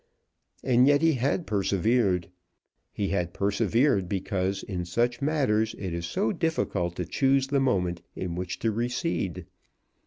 And yet he had persevered. He had persevered because in such matters it is so difficult to choose the moment in which to recede.